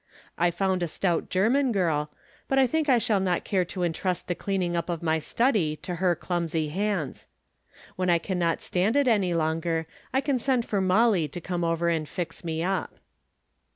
I found a stout German girl, but I think I shall not care to in trust the cleaning up of my study to her clumsy hands. When I can not stand it any longer, I can send for LloUy to come over and fix me up.